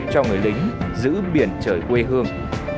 tính giữ biển trời quê hương